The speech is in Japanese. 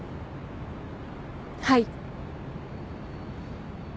はい。